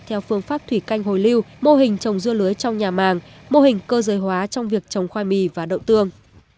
theo phương pháp thủy canh hồi lưu mô hình trồng dưa lưới trong nhà màng mô hình cơ giới hóa trong việc trồng khoai mì và đậu tương